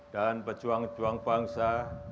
dan pejuang juang bangsa